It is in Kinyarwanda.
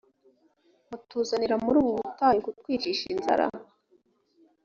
mutuzanira muri ubu butayu kutwicisha inzara